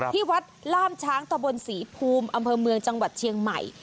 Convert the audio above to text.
ที่วัดล่ามช้างตะบนศรีภูมิอำเภอเมืองจังหวัดเชียงใหม่